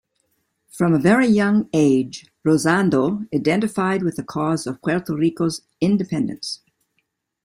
From a very young age, Rosado identified with the cause of Puerto Rico's independence.